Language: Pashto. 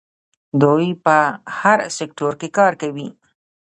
دوی په هر سکتور کې کار کوي.